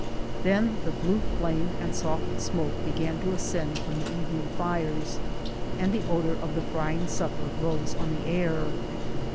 Then the blue flame and soft smoke began to ascend from the evening fires, and the odor from the frying supper rose on the air.